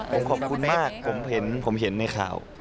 ผมขอบคุณมากผมเห็นในข่าว